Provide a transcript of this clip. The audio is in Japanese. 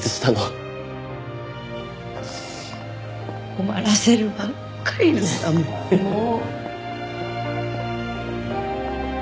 困らせるばっかりだったもう。